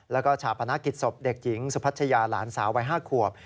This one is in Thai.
แล้วก็ชาปนกิจศพเด็กหญิงสุพัชยาหลานสาววัย๕ขวบ